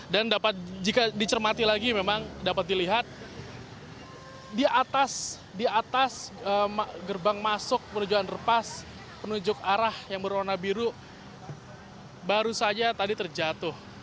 dan dapat jika dicermati lagi memang dapat dilihat di atas gerbang masuk menuju underpass penunjuk arah yang berwarna biru baru saja tadi terjatuh